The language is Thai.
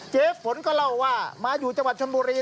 เจ๊ฝนก็เล่าว่ามาอยู่จังหวัดชนบุรี